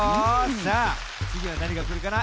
さあつぎはなにがくるかな？